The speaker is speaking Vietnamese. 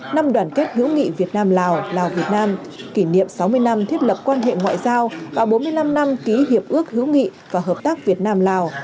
năm đoàn kết hữu nghị việt nam lào lào việt nam kỷ niệm sáu mươi năm thiết lập quan hệ ngoại giao và bốn mươi năm năm ký hiệp ước hữu nghị và hợp tác việt nam lào